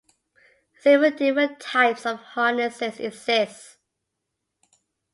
Several different types of harnesses exist.